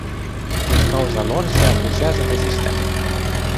Din cauza lor se abuzează de sistem.